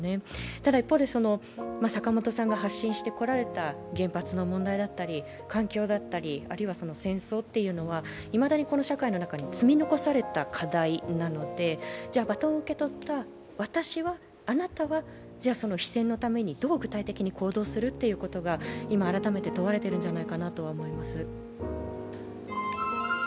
ただ一方で坂本さんが発信してこられた原発問題だったり環境だったり、あるいは戦争というのは、いまだにこの社会の中に積み残された課題なので、バトンを受け取った私は、あなたは非戦のためにどう具体的に行動するかということが日本最古の随筆と言われているんですよね